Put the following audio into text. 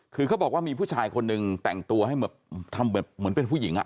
คือเขาบอกว่ามีผู้ชายคนหนึ่งแต่งตัวให้แบบทำเหมือนเป็นผู้หญิง